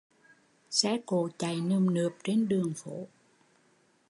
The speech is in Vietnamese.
Xe cộ chạy nườm nượp trên đường phố